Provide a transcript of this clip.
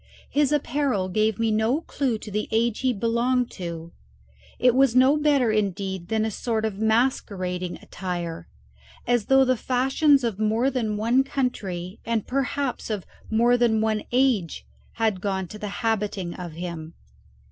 His apparel gave me no clue to the age he belonged to; it was no better, indeed, than a sort of masquerading attire, as though the fashions of more than one country, and perhaps of more than one age, had gone to the habiting of him.